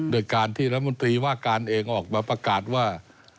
โดยการที่รัฐมนตรีว่าการเองออกมาประกาศว่า